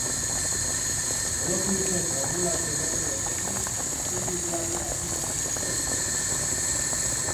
Grotiusen formulazio berri horrekin, zuzenbidea bera giza meneko egiten da.